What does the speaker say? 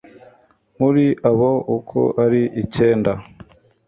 muri abo uko ari icyenda